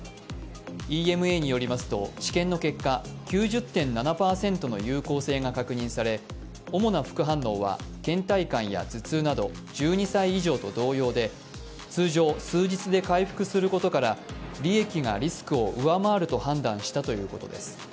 ＥＭＡによりますと治験の結果、９０．７％の有効性が確認され、主な副反応はけん怠感や頭痛など１２歳以上と同様で、通常、数日で回復することから利益がリスクを上回ると判断したということです。